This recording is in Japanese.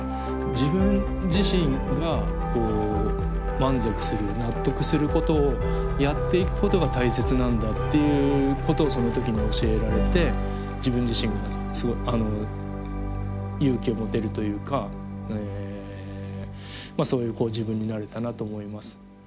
自分自身が満足する納得することをやっていくことが大切なんだっていうことをその時に教えられて自分自身が勇気を持てるというかそういう自分になれたなと思います。